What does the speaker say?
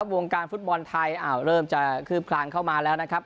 วงการฟุตบอลไทยเริ่มจะคืบคลานเข้ามาแล้วนะครับ